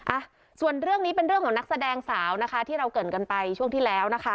อ่ะส่วนเรื่องนี้เป็นเรื่องของนักแสดงสาวนะคะที่เราเกิดกันไปช่วงที่แล้วนะคะ